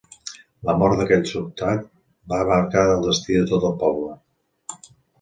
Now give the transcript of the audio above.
La mort d’aquell soldat va marcar el destí de tot el poble.